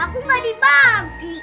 aku nggak dibanti